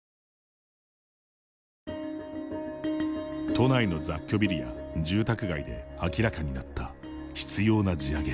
都内の雑居ビルや住宅街で明らかになった執ような地上げ。